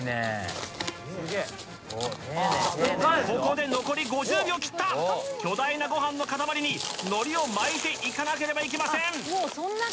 ここで残り５０秒切った巨大なご飯の塊に海苔を巻いていかなければいけません